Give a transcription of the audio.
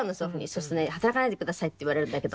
そうすると「働かないでください」って言われるんだけど。